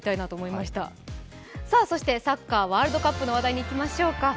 ではサッカーワールドカップの話題にいきましょうか。